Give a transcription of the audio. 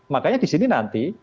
makanya di sini nanti